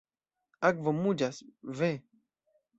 Akvo muĝas, ve.